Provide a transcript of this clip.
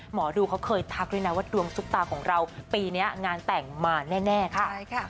หมอดูเขาเคยทักด้วยนะว่าดวงซุปตาของเราปีนี้งานแต่งมาแน่ค่ะ